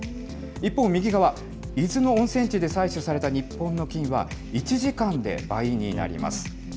一方、右側、伊豆の温泉地で採取された日本の菌は、１時間で倍になります。